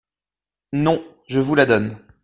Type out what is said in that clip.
Non, je vous la donne…